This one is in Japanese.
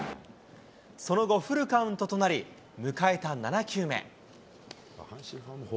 その後、フルカウントとなり、迎えた７球目。